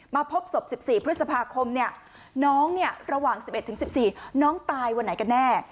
พบศพ๑๔พฤษภาคมน้องระหว่าง๑๑๑๔น้องตายวันไหนกันแน่